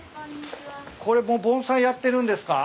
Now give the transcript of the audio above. これ盆栽やってるんですか？